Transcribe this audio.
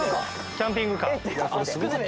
キャンピングカー。